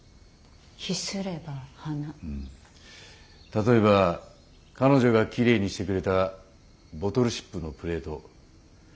例えば彼女がきれいにしてくれたボトルシップのプレート。